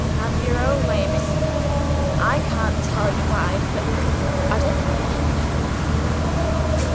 "Have your own way, miss. I can't tell you why but I don't like her!"